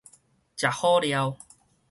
食好料